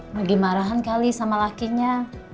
lagi marahan kali sama lakinya